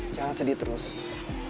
tapi gamerx ini mampus vaan